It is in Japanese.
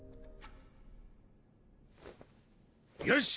よし！